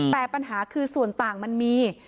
แต่ปัญหาคือส่วนต่างมันมี